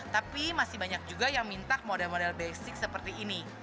tapi masih banyak juga yang minta model model basic seperti ini